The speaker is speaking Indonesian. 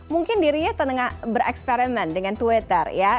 mungkin dirinya tengah bereksperimen dengan twitter ya